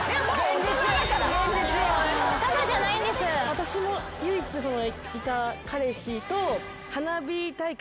私も唯一いた彼氏と花火大会。